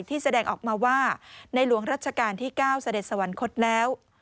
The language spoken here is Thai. แสดงออกมาว่าในหลวงรัชกาลที่๙เสด็จสวรรคตแล้ว